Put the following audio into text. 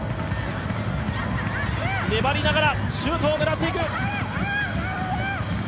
粘りながらシュートを狙っていく。